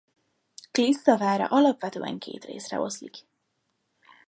Klissza vára alapvetően két részre oszlik.